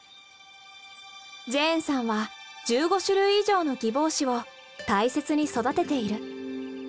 ジェーンさんは１５種類以上のギボウシを大切に育てている。